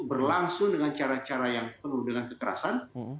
berlangsung dengan cara cara yang penuh dengan kekerasan